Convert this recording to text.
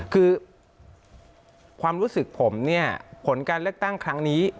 คือความรู้สึกผมเนี่ยผลการเลือกตั้งครั้งนี้